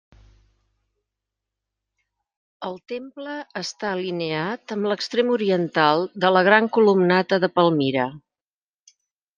El temple està alineat amb l'extrem oriental de la Gran Columnata de Palmira.